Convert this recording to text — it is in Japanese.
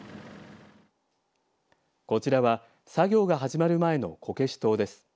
こちらは作業が始まる前のこけし塔です。